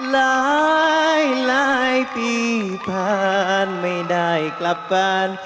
หลายปีผ่านไม่ได้กลับบ้าน